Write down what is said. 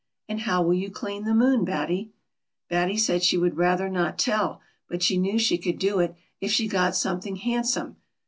And how will you clean the moon, Batty ?" Batty said she would rather not tell, but she knew she could do it, if she got something handsome.